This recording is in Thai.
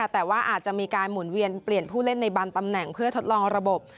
แต่ว่าอาจจะมีการหมุนเวียนเปลี่ยนผู้เล่นในบางตำแหน่งเพื่อทดลองระบบ